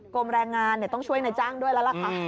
กรมแรงงานต้องช่วยนายจ้างด้วยแล้วล่ะค่ะ